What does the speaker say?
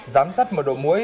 giám sát mở độ muối